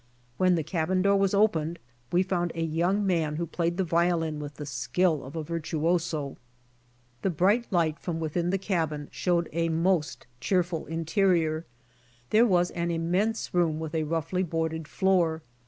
When the cabin door was opened we found a young man who played the violin with the skill of a virtuoso. The bright light from within the cabin showed ua a most cheerful interior. There was an immense room with a roughly boarded floor.